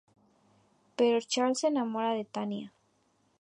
Pero Charles se enamora de Tanya.